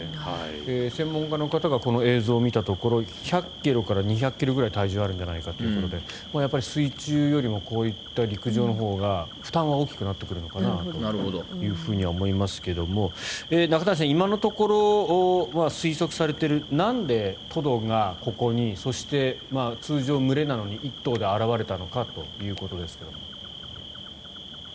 専門家の方がこの映像を見たところ１００ｋｇから２００ｋｇぐらい体重あるんじゃないかということでやっぱり水中よりもこういった陸上のほうが負担は大きくなってくるのかなというふうには思いますが中谷さん、今のところ推測されているなんでトドがここにそして、通常群れなのに１頭で現れたのかということですが。